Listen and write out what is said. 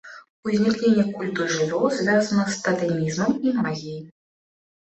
Узнікненне культу жывёл звязана з татэмізмам і магіяй.